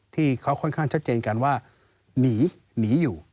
ที่เขาค่อนข้างชัดเจนกันว่าหนีหนีอยู่